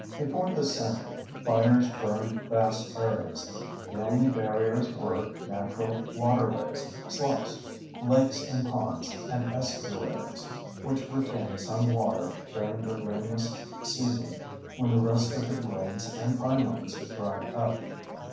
Before this century, fires burned vast areas. The only barriers were natural waterways—sloughs, lakes and ponds, and estuaries—which retained some water during the rainless season when the rest of the glades and pinelands dried up.